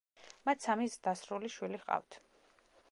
მათ სამი ზრდასრული შვილი ჰყავთ.